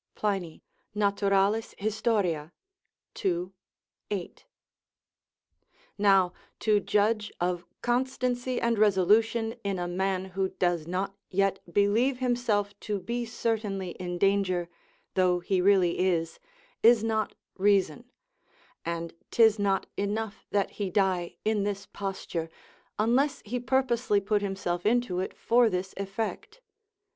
Pliny, Nat. Hist., ii. 8.] Now, to judge of constancy and resolution in a man who does not yet believe himself to be certainly in danger, though he really is, is not reason; and 'tis not enough that he die in this posture, unless he purposely put himself into it for this effect.